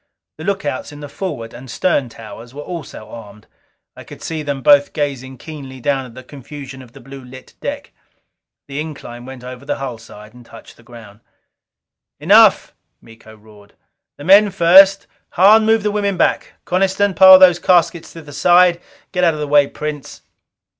The lookouts in the forward and stern towers were also armed; I could see them both gazing keenly down at the confusion of the blue lit deck. The incline went over the hull side and touched the ground. "Enough!" Miko roared. "The men first. Hahn, move the women back! Coniston, pile those caskets to the side. Get out of the way, Prince."